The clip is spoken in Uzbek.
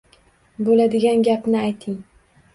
Bo'ladigan gapni ayting!